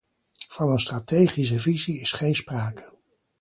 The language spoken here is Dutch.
Van een strategische visie is geen sprake.